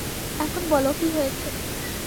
এখন বলো কি হয়েছে?